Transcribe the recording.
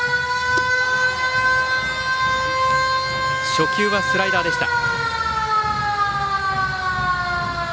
初球はスライダーでした。